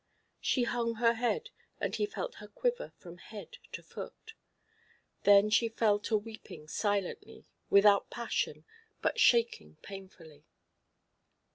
She hung her head, and he felt her quiver from head to foot. Then she fell to weeping silently, without passion, but shaking painfully.